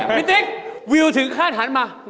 พี่ติ๊กวิวถึงคาถัดมา